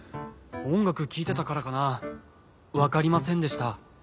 おんがくきいてたからかなわかりませんでした。